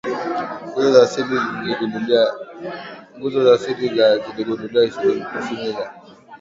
nguzo za asili za ziligunduliwa isimila